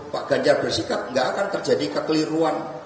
pak ganjar bersikap nggak akan terjadi kekeliruan